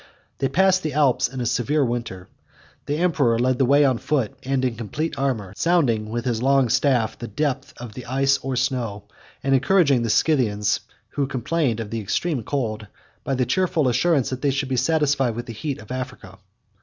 46 They passed the Alps in a severe winter. The emperor led the way, on foot, and in complete armor; sounding, with his long staff, the depth of the ice, or snow, and encouraging the Scythians, who complained of the extreme cold, by the cheerful assurance, that they should be satisfied with the heat of Africa.